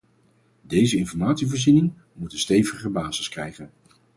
Deze informatievoorziening moet een stevigere basis krijgen.